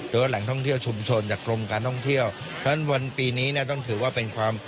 ว่าแหล่งท่องเที่ยวชุมชนจากกรมการท่องเที่ยวเพราะฉะนั้นวันปีนี้เนี่ยต้องถือว่าเป็นความ